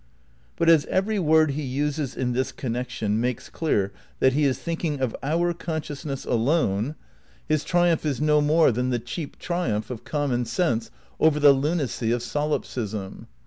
But as every word he uses in this connection makes clear that he is thinking of our consciousness alone, his 268 THE NEW IDEALISM vm triumph is no more than the cheap triumph of common sense over the lunacy of solipsism.